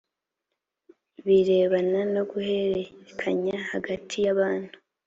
birebana no guhererekanya hagati y abantu